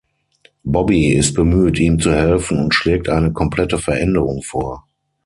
Bobby ist bemüht ihm zu helfen und schlägt eine komplette Veränderung vor.